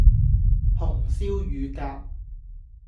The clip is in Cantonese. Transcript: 紅燒乳鴿